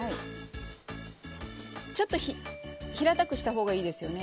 ちょっと平たくしたほうがいいですよね。